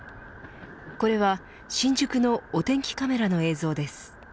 これは新宿のお天気カメラの映像です。